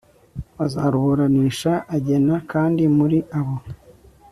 bazaruburanisha agena kandi muri abo